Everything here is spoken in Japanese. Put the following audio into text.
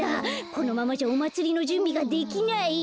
このままじゃおまつりのじゅんびができない。